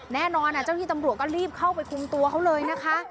แน่นอนเจ้าที่ตำรวจก็รีบเข้าไปคุมตัวเขาเลยนะคะ